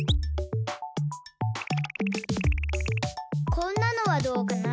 こんなのはどうかな。